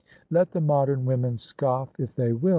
Let the modem women scoff if they will!